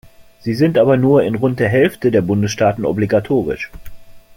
Sie sind aber nur in rund der Hälfte der Bundesstaaten obligatorisch.